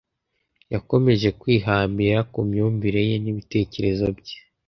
Yakomeje kwihambira ku myumvire ye n’ibitekerezo bye